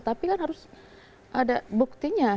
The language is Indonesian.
tapi kan harus ada buktinya